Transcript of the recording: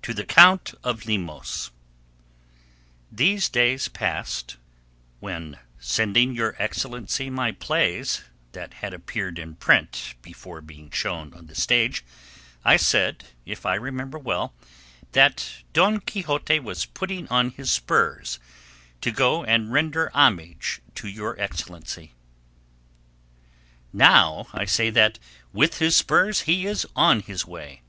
TO THE COUNT OF LEMOS: These days past, when sending Your Excellency my plays, that had appeared in print before being shown on the stage, I said, if I remember well, that Don Quixote was putting on his spurs to go and render homage to Your Excellency. Now I say that "with his spurs, he is on his way."